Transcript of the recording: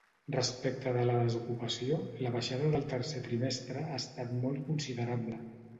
Respecte de la desocupació, la baixada del tercer trimestre ha estat molt considerable.